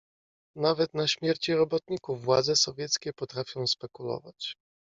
"Nawet na śmierci robotników władze sowieckie potrafią spekulować."